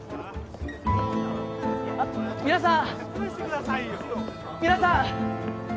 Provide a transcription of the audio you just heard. ・皆さん皆さん！